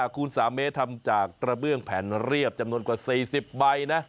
คูณ๓เมตรทำจากกระเบื้องแผนเรียบจำนวนกว่า๔๐ใบนะ